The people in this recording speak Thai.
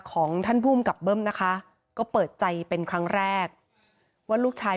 ของท่านภูมิกับเบิ้มนะคะก็เปิดใจเป็นครั้งแรกว่าลูกชาย